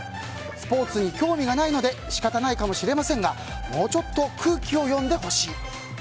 スポーツに興味がないので仕方ないかもしれませんがもうちょっと空気を読んでほしい。